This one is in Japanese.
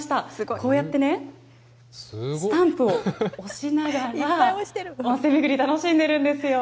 こうやってね、スタンプを押しながら、温泉巡り、楽しんでるんですよ。